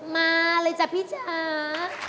มาเลยจ้ะพี่ช้า